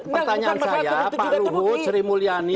pertanyaan saya pak luhut sri mulyani